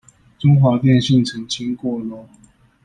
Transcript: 中華電信澄清過囉